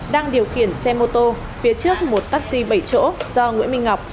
đang điều khiển xe mô tô phía trước một taxi bảy chỗ do nguyễn minh ngọc